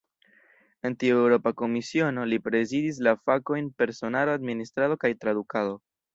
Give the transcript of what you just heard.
En tiu Eŭropa Komisiono, li prezidis la fakojn "personaro, administrado kaj tradukado".